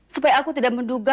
supaya aku tidak menduga